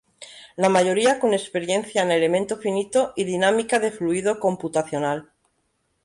La mayoría con experiencia en elemento finito y dinámica de fluido computacional.